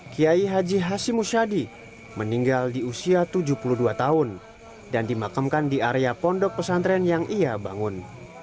kiai haji hashim musyadi meninggal di usia tujuh puluh dua tahun dan dimakamkan di area pondok pesantren yang ia bangun